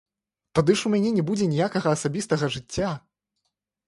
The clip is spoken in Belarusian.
Тады ж у мяне не будзе ніякага асабістага жыцця!